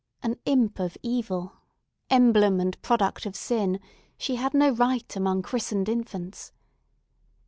An imp of evil, emblem and product of sin, she had no right among christened infants.